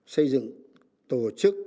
xây dựng tổ chức